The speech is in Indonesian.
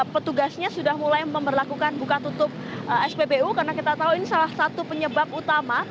petugasnya sudah mulai memperlakukan buka tutup spbu karena kita tahu ini salah satu penyebab utama